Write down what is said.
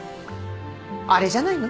あれじゃないの？